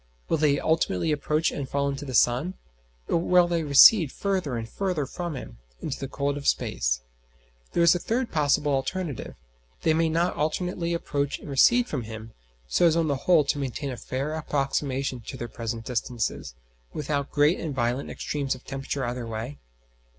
Will they ultimately approach and fall into the sun, or will they recede further and further from him, into the cold of space? There is a third possible alternative: may they not alternately approach and recede from him, so as on the whole to maintain a fair approximation to their present distances, without great and violent extremes of temperature either way?